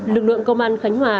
lực lượng công an khánh hòa